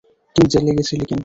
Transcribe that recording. তুই জেলে গেছিলি কেন?